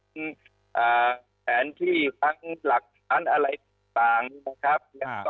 ทั้งแผนที่ทั้งหลักฐานอะไรต่างนะครับ